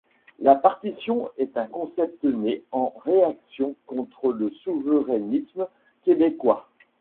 La partition est un concept né en réaction contre le souverainisme québécois.